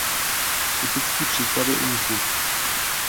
Typický příklad je u mzdy.